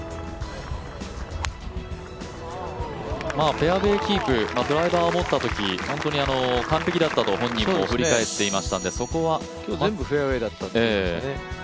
フェアウエーキープドライバーを持ったとき、本当に完璧だったと本人も振り返っていたのでそこは今日全部フェアウエーだと言っていましたね。